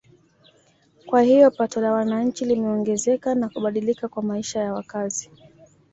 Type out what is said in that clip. Kwa hiyo pato la wananchi limeongezeka na kubadilika kwa maisha ya wakazi